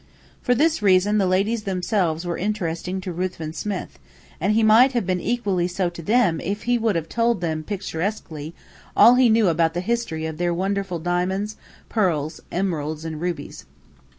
For this reason the ladies themselves were interesting to Ruthven Smith, and he might have been equally so to them if he would have told them picturesquely all he knew about the history of their wonderful diamonds, pearls, emeralds, and rubies.